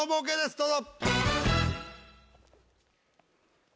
どうぞ。